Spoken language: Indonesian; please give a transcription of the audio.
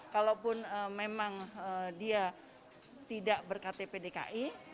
kalaupun memang dia tidak berktp dki